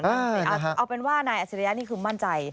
เอาเป็นว่านายอัจฉริยะนี่คือมั่นใจ